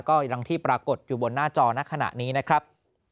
ก็อย่างที่ปรากฏอยู่บนหน้าจอในขณะนี้นะครับ